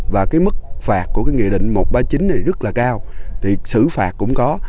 và cái mức phạt của cái nghị định một trăm ba mươi chín này rất là cao thì xử phạt cũng có